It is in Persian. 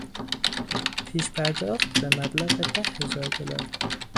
پیش پرداخت به مبلغ ده هزار دلار